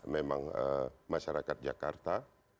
memang masyarakat jakarta